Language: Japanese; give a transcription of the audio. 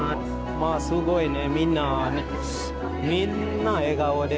まあすごいねみんなね